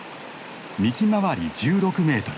幹周り１６メートル。